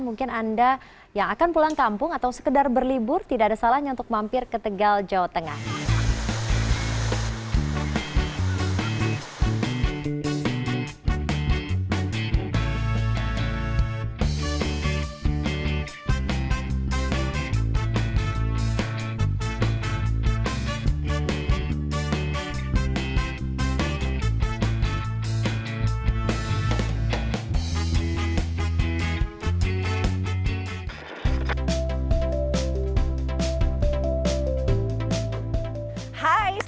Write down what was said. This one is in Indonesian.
mungkin anda yang akan pulang kampung atau sekedar berlibur tidak ada salahnya untuk mampir ke tegal jawa tengah